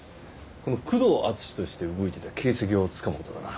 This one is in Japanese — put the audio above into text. この久遠淳史として動いてた形跡をつかむ事だな。